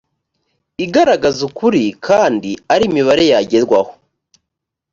igaragaza ukuri kandi ari imibare yagerwaho